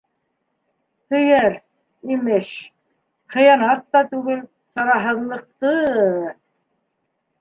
Һөйәр, имеш... хыянат та түгел, сараһыҙлыҡты...